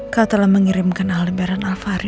kau telah mengirimkan alibaran al fahri